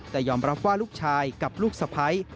แต่ยอมรับว่าลูกชายกับลูกสะพ้าย